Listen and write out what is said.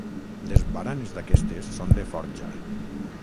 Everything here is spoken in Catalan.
Les baranes d'aquestes són de forja.